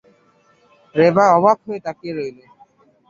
রেবা অবাক হয়ে তাকিয়ে রইল।